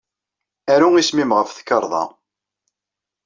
Aru isem-im ɣef tkarḍa-a.